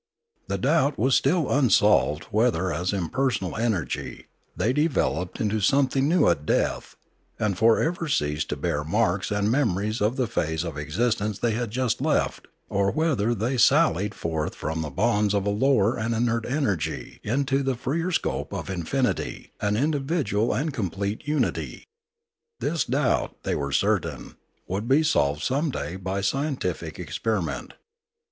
The doubt was still unsolved whether as impersonal energy they developed into something new at death and for ever ceased to bear marks and memories of the phase of existence they had just left, or whether they sallied forth from the bonds of a lower and inert energy into the freer scope of infinity, an individual and complete unity. This doubt, they were certain, would be solved some day by scientific experiment.